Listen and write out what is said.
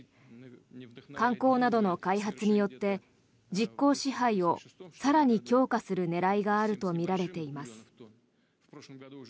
観光などの開発によって実効支配を更に強化する狙いがあるとみられています。